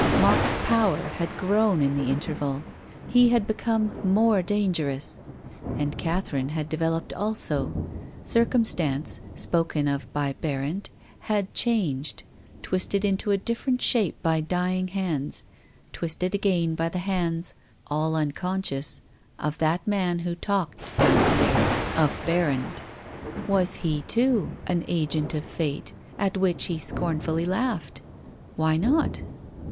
Mark's power had grown in the interval. He had become more danger ous. And Catherine had developed also. Cir cumstance — spoken of by Berrand — had changed, twisted into a different shape by dying hands, twisted again by the hands — all unconscious — of that man who talked down stairs, of Berrand. Was he, too, an agent of Fate, at which he scorn fully laughed ? Why not